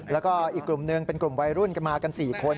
แล้วก็อีกกลุ่มหนึ่งเป็นกลุ่มวัยรุ่นก็มากัน๔คน